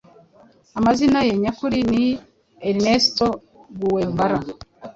amazina ye nyakuri ni ernesto guevara,